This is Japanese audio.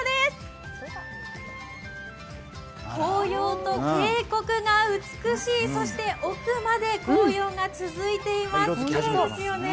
紅葉と渓谷が美しい、そして奥まで紅葉が続いています。